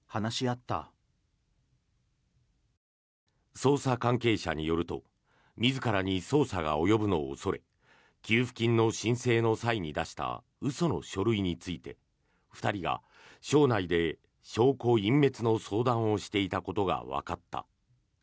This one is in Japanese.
捜査関係者によると自らに捜査が及ぶのを恐れ給付金の申請の際に出した嘘の書類について２人が省内で証拠隠滅の相談をしていたことがわかった。